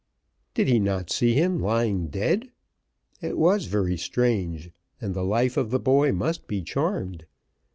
did he not see him lying dead? It was very strange, and the life of the boy must be charmed.